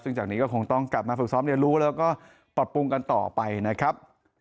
ซึ่งจากนี้ก็คงต้องกลับมาฝึกซ้อมเรียนรู้แล้วก็ปรับปรุงกันต่อไปนะครับ